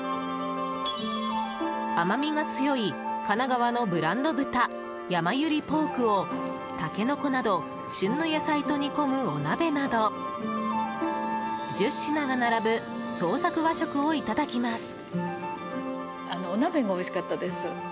甘みが強い、神奈川のブランド豚やまゆりポークをタケノコなど旬の野菜と煮込むお鍋など１０品が並ぶ創作和食をいただきます。